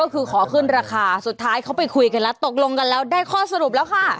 ก็คือขอขึ้นราคาสุดท้ายเขาไปคุยกันแล้วตกลงกันแล้วได้ข้อสรุปแล้วค่ะ